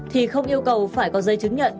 thì không yêu cầu phải có dây chứng nhận